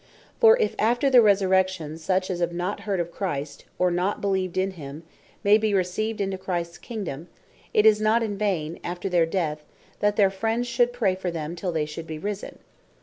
For if after the Resurrection, such as have not heard of Christ, or not beleeved in him, may be received into Christs Kingdome; it is not in vain, after their death, that their friends should pray for them, till they should be risen.